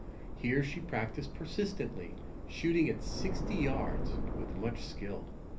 Here she practiced persistently, shooting at sixty yards with much skill.